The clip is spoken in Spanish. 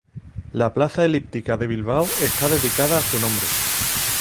La Plaza Elíptica de Bilbao está dedicada a su nombre.